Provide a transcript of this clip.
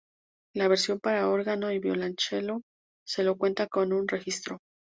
La versión para órgano y violonchelo sólo cuenta con un registro.